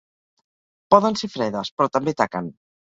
Poden ser fredes, però també taquen.